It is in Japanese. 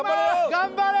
頑張れ！